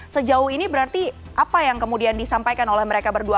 sejauh ini berarti apa yang kemudian disampaikan oleh mereka berdua